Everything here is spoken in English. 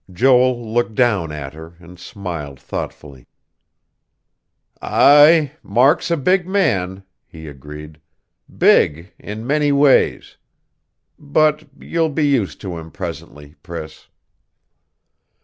Joel looked down at her, and smiled thoughtfully. "Aye, Mark's a big man," he agreed. "Big in many ways. But you'll be used to him presently, Priss."